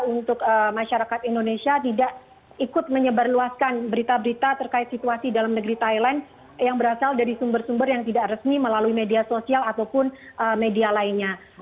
untuk masyarakat indonesia tidak ikut menyebarluaskan berita berita terkait situasi dalam negeri thailand yang berasal dari sumber sumber yang tidak resmi melalui media sosial ataupun media lainnya